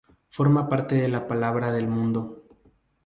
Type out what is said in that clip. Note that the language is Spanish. Forma parte de La palabra del mudo.